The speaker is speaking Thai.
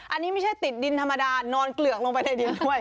อันนี้ไม่ใช่ติดดินธรรมดานอนเกลือกลงไปในดินด้วย